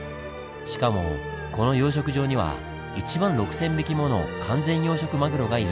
しかもこの養殖場には１万６，０００匹もの完全養殖マグロがいるんです。